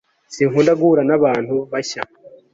sinkunda guhura nabantu bashya